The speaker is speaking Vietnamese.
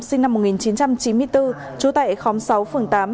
sinh năm một nghìn chín trăm chín mươi bốn trú tại khóm sáu phường tám